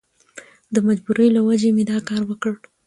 د مجبورۍ له وجهې مې دا کار وکړ.